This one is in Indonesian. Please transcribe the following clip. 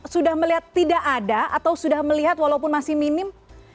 sudah melihat tidak ada atau sudah melihat walaupun masih minim